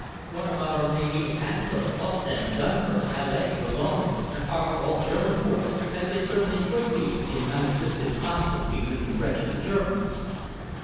What about our navy if Antwerp, Ostend, Dunkirk, Calais, Boulogne, and Havre were all German ports, as they certainly would be in an unassisted conflict between the French and the Germans?"